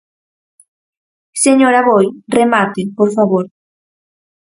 Señor Aboi, remate, por favor.